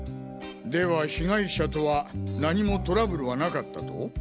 では被害者とは何もトラブルはなかったと？